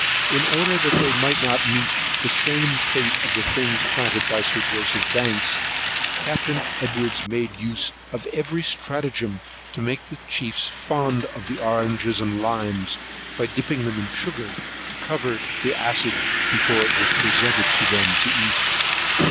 In order that they might not meet the same fate of the things planted by Sir Joseph Banks, Captain Edwards made use of every stratagem to make the chiefs fond of the oranges and limes, by dipping them in sugar, to cover the acid before it be presented to them to eat.